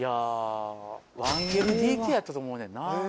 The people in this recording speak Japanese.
１ＬＤＫやったと思うねんな。